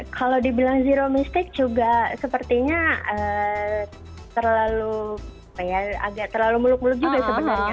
kalau dibilang zero mistik juga sepertinya terlalu muluk muluk juga sebenarnya